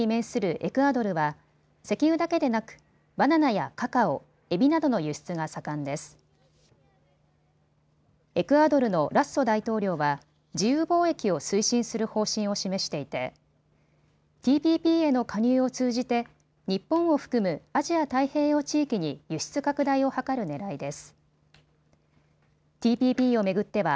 エクアドルのラッソ大統領は自由貿易を推進する方針を示していてＴＰＰへの加入を通じて日本を含むアジア太平洋地域に輸出拡大を図るねらいです。